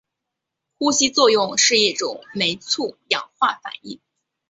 呼吸作用是一种酶促氧化反应。